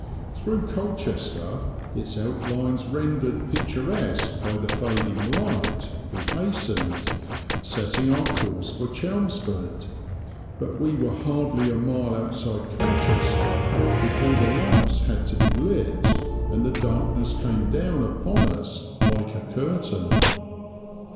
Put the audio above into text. Through Colchester, its outlines rendered picturesque by the fading light, we hastened, setting our course for Chelmsford; but we were hardly a mile outside Colchester before the lamps had to be lit, and the darkness came down upon us like a curtain.